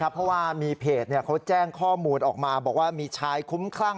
เพราะว่ามีเพจเขาแจ้งข้อมูลออกมาบอกว่ามีชายคุ้มคลั่ง